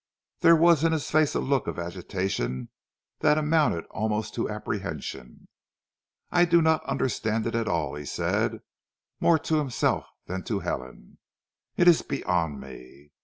There was in his face a look of agitation that amounted almost to apprehension. "I do not understand it at all," he said, more to himself than to Helen. "It is beyond me.